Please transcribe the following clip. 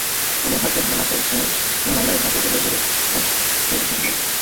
তিনি হয়তো ধারণা করেন, মিয়ানমারের জাতিগত বিরোধ দেশটির সংহতি বিপন্ন করতে পারে।